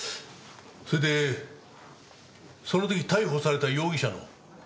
それでその時逮捕された容疑者の。